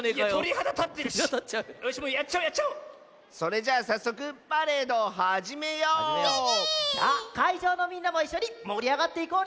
じゃあかいじょうのみんなもいっしょにもりあがっていこうね！